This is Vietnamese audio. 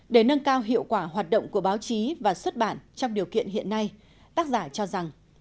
để nâng cao hiệu quả hoạt động của báo chí và xuất bản trong điều kiện hiện nay tác giả cho rằng